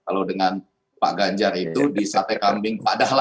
kalau dengan pak ganjar itu di sate kambing padahal